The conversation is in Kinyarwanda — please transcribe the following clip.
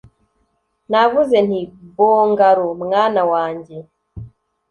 navuze nti: 'bongaloo, mwana wanjye.'